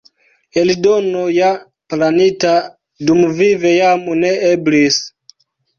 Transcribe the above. Eldono ja planita dumvive jam ne eblis.